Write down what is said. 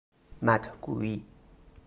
مدح گوئی